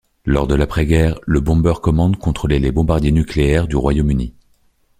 Lors de l'après-guerre, le Bomber Command contrôlait les bombardiers nucléaires du Royaume-Uni.